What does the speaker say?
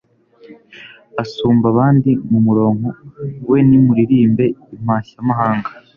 Asumba abandi mu muronko we Nimuririmbe Impashyamahanga